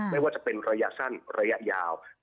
ไม่ว่าจะเป็นระยะสั้นระยะยาว